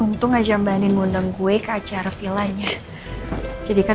untuk ajang banim undang gue ke acara vilainya jadikan